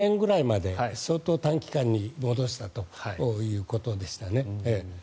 それで恐らく１００円ぐらいまで相当、短期間に戻したということでした。